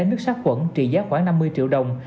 nước sát quẩn trị giá khoảng năm mươi triệu đồng